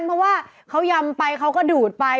เพราะว่าเขายำไปเขาก็ดูดไป